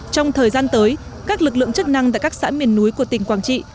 trong thời gian tới các lực lượng chức năng tại các xã miền núi của tỉnh quảng trị